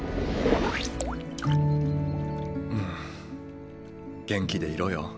んん元気でいろよ